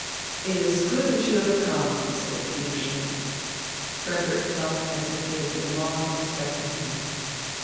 "It is good that you have come," said Peter Schmidt. Frederick felt as if he had been long expecting him.